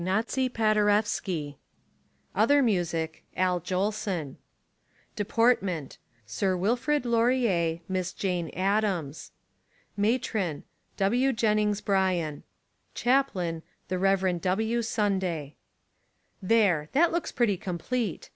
Paderewski Other Music Al Jolson P^ rSir Wilfrid Laurier " I Miss Jane Addams Matron W. Jennings Bryan Chaplain The Rev. W. Sunday There ! That looks pretty complete.